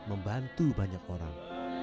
membantu banyak orang